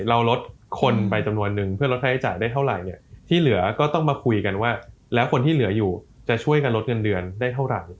เราลดคนไปจำนวนนึงเพื่อลดค่าใช้จ่ายได้เท่าไหร่เนี่ยที่เหลือก็ต้องมาคุยกันว่าแล้วคนที่เหลืออยู่จะช่วยกันลดเงินเดือนได้เท่าไหร่